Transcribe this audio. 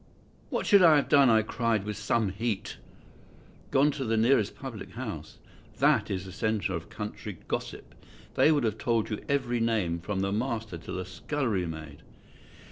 "What should I have done?" I cried, with some heat. "Gone to the nearest public house. That is the centre of country gossip. They would have told you every name, from the master to the scullery maid.